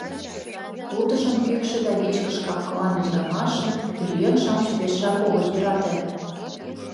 Утыжым кӱкшӧ да вичкыж капкылан ӱдырамашым пӧръеҥ-шамыч пешыжак огыт йӧрате.